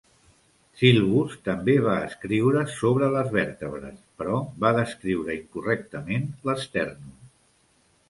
Sylvus també va escriure sobre les vèrtebres, però va descriure incorrectament l'estèrnum.